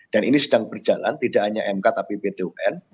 dan ini sedang berjalan tidak hanya mk tapi pt un